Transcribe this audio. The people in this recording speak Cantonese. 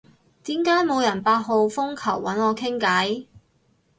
點解冇人八號風球搵我傾偈？